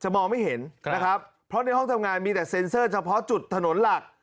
มองไม่เห็นนะครับเพราะในห้องทำงานมีแต่เซ็นเซอร์เฉพาะจุดถนนหลัก